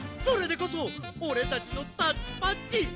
それでこそおれたちのタッチパッチ！